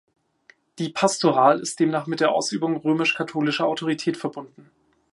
Die Pastoral ist demnach mit der Ausübung römisch-katholischer Autorität verbunden.